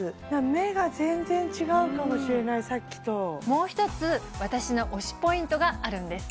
目が全然違うかもしれないさっきともう一つ私の推しポイントがあるんです